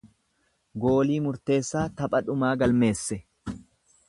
Goolii murteessaa tapha dhumaa galmeeffame.